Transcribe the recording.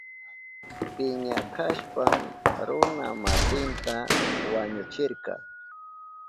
Piña kashpan runa masinta wañuchirka.